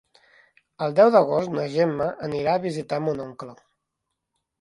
El deu d'agost na Gemma anirà a visitar mon oncle.